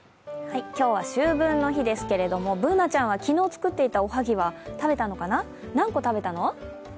今日は秋分の日ですけれどＢｏｏｎａちゃんは昨日作ったおはぎは食べたのかな、何個食べたの？